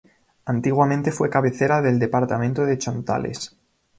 Antiguamente fue cabecera del departamento de Chontales.